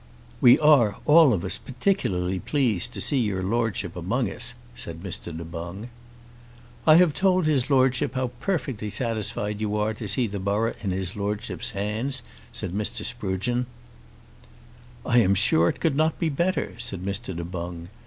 "We are, all of us, particularly glad to see your Lordship among us," said Mr. Du Boung. "I have told his Lordship how perfectly satisfied you are to see the borough in his Lordship's hands," said Mr. Sprugeon. "I am sure it could not be in better," said Mr. Du Boung.